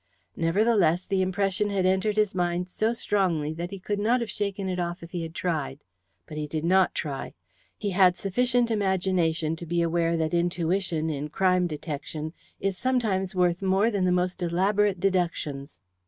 Nevertheless, the impression had entered his mind so strongly that he could not have shaken it off if he had tried. But he did not try. He had sufficient imagination to be aware that intuition, in crime detection, is sometimes worth more than the most elaborate deductions.